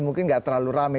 mungkin gak terlalu rame